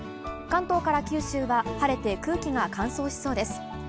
関東から九州は晴れて空気が乾燥しそうです。